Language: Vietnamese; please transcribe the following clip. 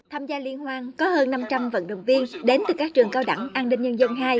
tham gia liên hoan có hơn năm trăm linh vận động viên đến từ các trường cao đẳng an ninh nhân dân hai